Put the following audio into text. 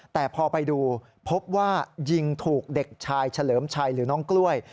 แต่พอไปดูพบว่ายิงถูกเด็กชายเฉลิมชัยหรือน้องกล้วย